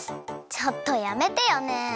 ちょっとやめてよね！